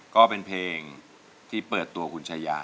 ก็เป็นเพลงที่เปิดตัวคุณชายา